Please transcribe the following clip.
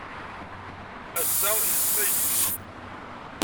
Ass-a yesfa Igenni.